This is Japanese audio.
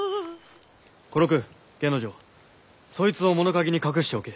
小六源之丞そいつを物陰に隠しておけ。